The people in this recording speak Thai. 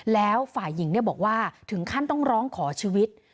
แล้วฝ่ายหญิงบอกว่าถึงขั้นต้องร้องขอชีวิต